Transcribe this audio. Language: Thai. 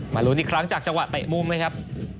มาหลุ้นอีกครั้งจากเฉวงเข้าตัว๔๐